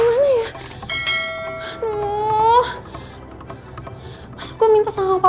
buat bayar kartu kredit gue kan